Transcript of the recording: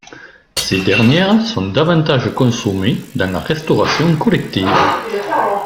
Ces dernières sont davantage consommées dans la restauration collective.